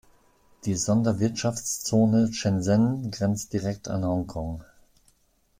Die Sonderwirtschaftszone Shenzhen grenzt direkt an Hongkong.